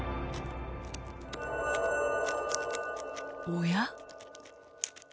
おや？